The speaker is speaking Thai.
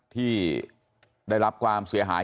ที่ได้รับความเสียหาย